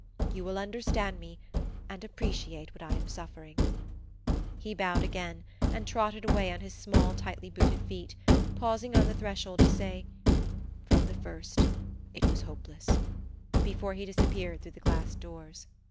You will understand me, and appreciate what I am suffering." He bowed again, and trotted away on his small, tightly booted feet; pausing on the threshold to say: "From the first it was hopeless," before he disappeared through the glass doors.